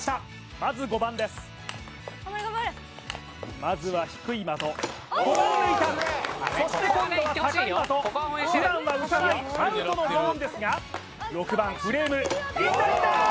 まず５番ですまずは低い的５番抜いたそして今度は高い的普段は打たないアウトのゾーンですが６番フレームいったいった！